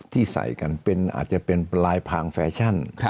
ที่ใส่กันอาจจะเป็นปลายพางแฟชั่น